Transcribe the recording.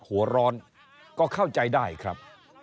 หัวร้อนก็เข้าใจได้ครับ